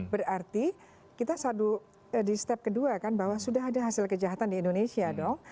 berarti kita sadu di step kedua kan bahwa sudah ada hasil kejahatan di indonesia dong